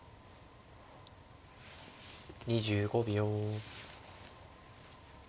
２５秒。